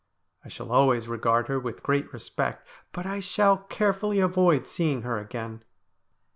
I shall always re gard her with great respect, but I shall carefully avoid seeing her again.'